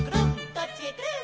「どっちへくるん」